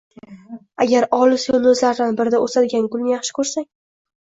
Agar olis yulduzlardan birida o‘sadigan gulni yaxshi ko‘rsang